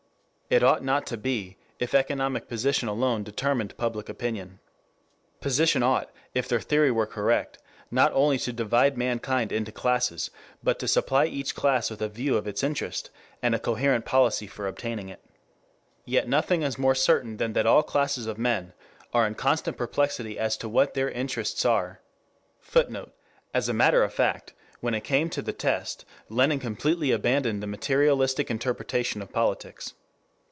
It ought not to be, if economic position alone determined public opinion. Position ought, if their theory were correct, not only to divide mankind into classes, but to supply each class with a view of its interest and a coherent policy for obtaining it. Yet nothing is more certain than that all classes of men are in constant perplexity as to what their interests are. [Footnote: As a matter of fact, when it came to the test, Lenin completely abandoned the materialistic interpretation of politics.